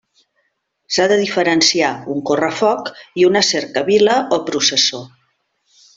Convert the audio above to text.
S'ha de diferenciar un correfoc i una cercavila o processó.